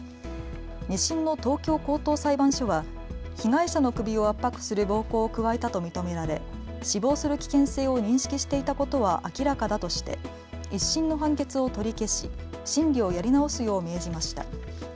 ２審の東京高等裁判所は被害者の首を圧迫する暴行を加えたと認められ死亡する危険性を認識していたことは明らかだとして１審の判決を取り消し審理をやり直すよう命じました。